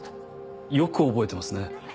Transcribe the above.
よく覚えてますね。